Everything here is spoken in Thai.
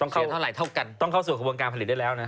เท่าไหเท่ากันต้องเข้าสู่กระบวนการผลิตได้แล้วนะ